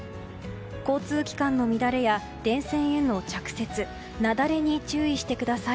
交通機関の乱れや電線への着雪雪崩に注意してください。